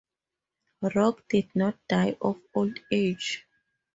Rock did not die of old age.